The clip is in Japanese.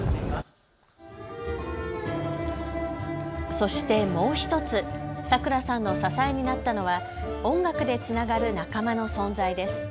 そしてもう１つ、さくらさんの支えになったのは音楽でつながる仲間の存在です。